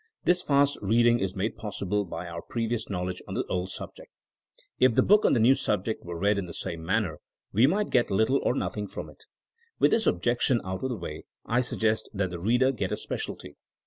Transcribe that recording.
This fast read ing is made possible by our previous knowledge on the old subject. If the book on the new sub ject were read in the same manner, we might get little or nothing from it. With this objection out of the way I suggest that the reader get a specialty.